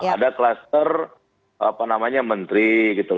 ada kluster apa namanya menteri gitu